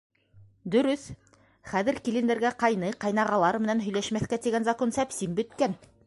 — Дөрөҫ, хәҙер килендәргә ҡайны, ҡайнағалар менән һөйләшмәҫкә тигән закон сәпсим бөткән.